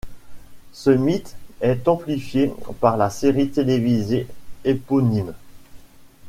Ce mythe est amplifié par la série télévisée éponyme.